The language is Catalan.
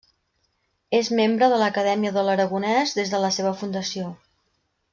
És membre de l'Acadèmia de l'Aragonès des de la seva fundació.